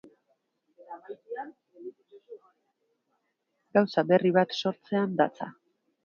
Gauza berri bat sortzean datza.